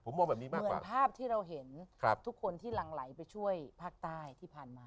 เหมือนภาพที่เราเห็นทุกคนที่รังไหลไปช่วยภาคใต้ที่ผ่านมา